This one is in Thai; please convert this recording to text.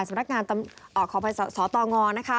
สำนักงานขออภัยสตงนะคะ